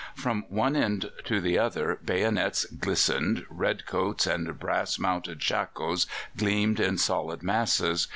From one end to the other bayonets glistened, red coats and brass mounted shakos gleamed in solid masses.